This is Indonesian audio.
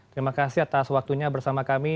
terima kasih atas waktunya bersama kami